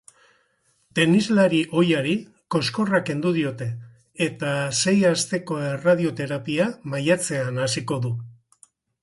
Tenislari ohiari koskorra kendu diote eta sei asteko erradioterapia maiatzean hasiko du.